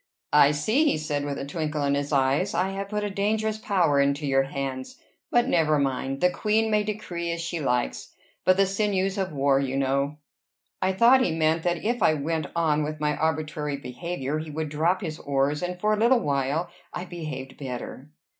"I see!" he said, with a twinkle in his eyes. "I have put a dangerous power into your hands. But never mind. The queen may decree as she likes; but the sinews of war, you know" I thought he meant that if I went on with my arbitrary behavior, he would drop his oars; and for a little while I behaved better.